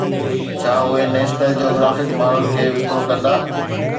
ڇا اهي National Geographic ماڻهن کي وڪرو ڪندا؟